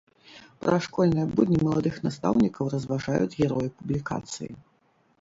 Пра школьныя будні маладых настаўнікаў разважаюць героі публікацыі.